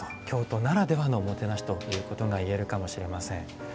京都ならではのおもてなしということが言えるかもしれません。